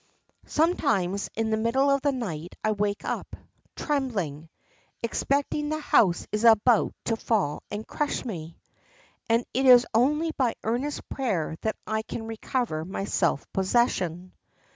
Sometimes in the middle of the night I wake up, trembling, expecting the house is about to fall and crush me, and it is only by earnest prayer that I can recover my self possession."